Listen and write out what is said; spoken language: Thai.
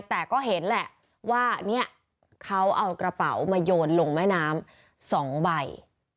แต่ก็เห็นแหละว่าเนี่ยเขาเอากระเป๋ามาโยนลงแม่น้ำ๒ใบ